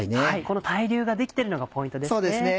この対流が出来てるのがポイントですね。